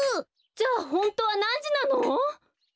じゃあホントはなんじなの？